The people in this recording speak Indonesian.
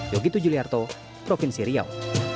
yogyakarta provinsi riau